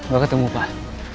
gak ketemu pak